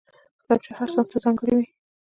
کتابچه هر صنف ته ځانګړې وي